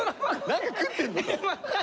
何か食ってんのか？